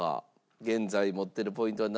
現在持ってるポイントは７ポイント。